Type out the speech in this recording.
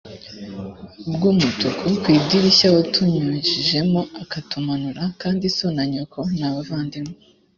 bw umutuku ku idirishya watunyujijemo ukatumanura kandi so na nyoko n abavandimwe